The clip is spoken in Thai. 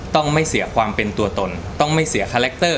ต้องไม่เสียความเป็นตัวตนต้องไม่เสียคาแรคเตอร์